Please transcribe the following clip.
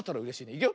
いくよ。